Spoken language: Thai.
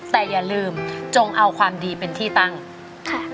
แต่อย่าลืมจงเอาความดีเป็นที่ตั้งค่ะ